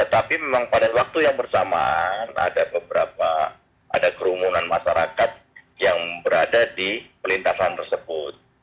tapi memang pada waktu yang bersamaan ada beberapa ada kerumunan masyarakat yang berada di pelintasan tersebut